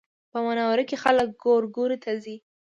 په منوره کې خلک ګورګورو ته ځي